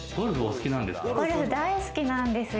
ゴルフ、大好きなんですよ。